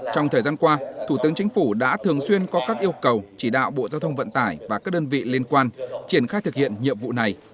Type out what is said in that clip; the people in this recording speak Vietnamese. trong thời gian qua thủ tướng chính phủ đã thường xuyên có các yêu cầu chỉ đạo bộ giao thông vận tải và các đơn vị liên quan triển khai thực hiện nhiệm vụ này